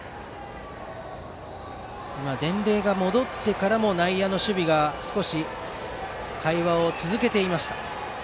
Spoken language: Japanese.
伝令が戻ってからも内野の守備が少し会話を続けていました。